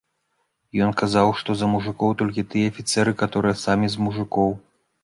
Ён казаў, што за мужыкоў толькі тыя афіцэры, каторыя самі з мужыкоў.